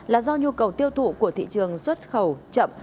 là do nhu cầu tiêu thụ của thị trường xuất khẩu chậm